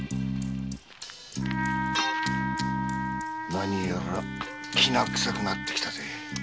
何やらキナくさくなってきたぜ。